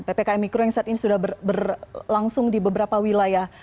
ppkm mikro yang saat ini sudah berlangsung di beberapa wilayah